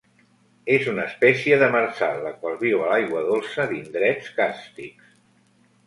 És una espècie demersal, la qual viu a l'aigua dolça d'indrets càrstics.